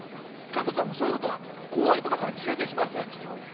加藤さんもそういうこと後輩とかから聞かれたりします？